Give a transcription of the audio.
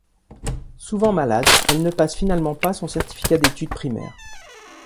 Souvent malade, elle ne passe finalement pas son certificat d’études primaires.